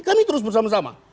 kami terus bersama sama